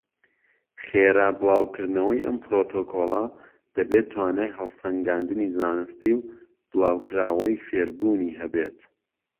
خێرا بڵاوکردنەوەی ئەم پڕۆتۆکۆڵە دەبێت توانای هەڵسەنگاندنی زانستی و بڵاوکراوەی فێربوونی هەبێت.